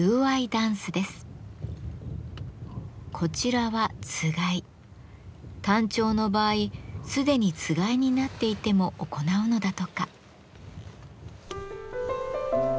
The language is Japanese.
タンチョウの場合すでにつがいになっていても行うのだとか。